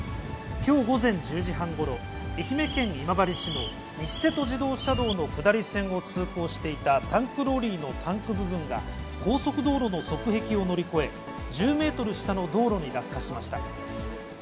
きょう午前１０時半ごろ、愛媛県今治市の西瀬戸自動車道の下り線を通行していたタンクローリーのタンク部分が、高速道路の側壁を乗り越え、１０メートル下の道路に落下しました。